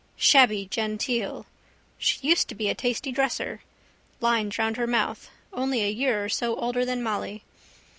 Shabby genteel. She used to be a tasty dresser. Lines round her mouth. Only a year or so older than Molly.